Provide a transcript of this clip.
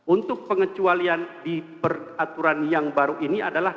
untuk pengecualian di peraturan yang baru ini adalah